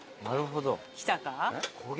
来たか？